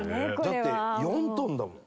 だって４トンだもん。